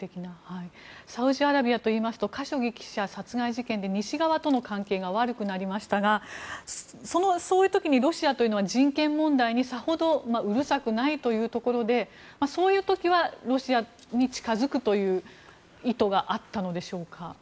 サウジアラビアといいますとカショギ記者殺害事件で西側との関係が悪くなりましたがそういう時にロシアというのは人権問題にさほど、うるさくないというところでそういう時はロシアに近づくという意図があったのでしょうか。